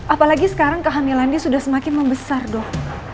apalagi sekarang kehamilannya sudah semakin membesar dok